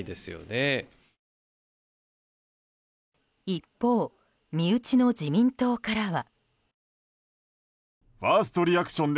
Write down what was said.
一方、身内の自民党からは。